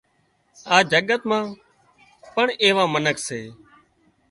آ جڳت مان پڻ ايوان منک سي